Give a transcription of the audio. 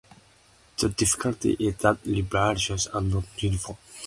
The difficulty is that reservoirs are not uniform.